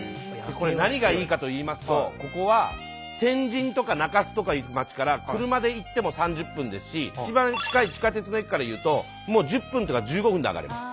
これ何がいいかといいますとここは天神とか中洲とかいうまちから車で行っても３０分ですし一番近い地下鉄の駅からいうと１０分とか１５分で上がれます。